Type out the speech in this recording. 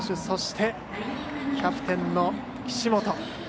そして、キャプテンの岸本。